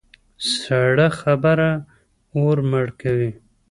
سړه خبره اور مړه کوي.